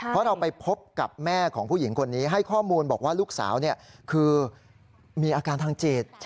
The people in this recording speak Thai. เพราะเราไปพบกับแม่ของผู้หญิงคนนี้ให้ข้อมูลบอกว่าลูกสาวคือมีอาการทางจิต